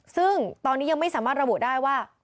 ซึ่งตอนนี้ยังไม่สามารถระบุได้ว่า